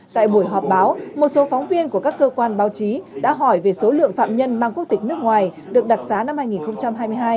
tại buổi họp báo một số phóng viên của các cơ quan báo chí đã hỏi về số lượng phạm nhân mang quốc tịch nước ngoài được đặc xá năm hai nghìn hai mươi hai